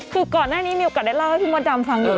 คือก่อนหน้านี้มีโอกาสได้เล่าให้พี่มดดำฟังอยู่